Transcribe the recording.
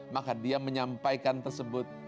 maka dia menyampaikan tersebut